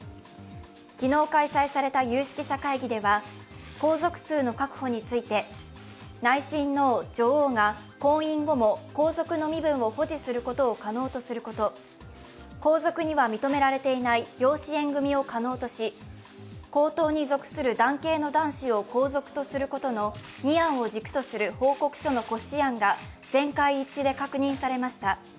昨日開催された有識者会議では、皇族数の確保について、内親王、女王が婚姻後も皇族の身分を保持することを可能とすること、皇族には認められていない養子縁組を可能にし皇統に属する男系の男子を皇族とすることの２案を軸とする報告書の骨子案が全会一致で確認されました。